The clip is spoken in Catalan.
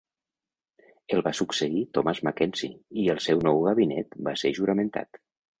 El va succeir Thomas Mackenzie i el seu nou gabinet va ser juramentat.